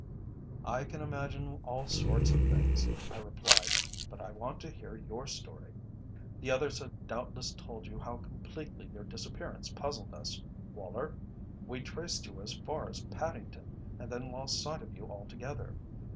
"I can imagine all sorts of things," I replied. "But I want to hear your story. The others have doubtless told you how completely your disappearance puzzled us, Woller? We traced you as far as Paddington, and then lost sight of you altogether.